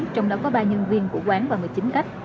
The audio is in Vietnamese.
trong đó có ba nhân viên của quán và một mươi chín khách